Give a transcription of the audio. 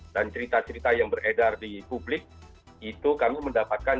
dan cerita cerita yang beredar di publik itu kami mendapatkan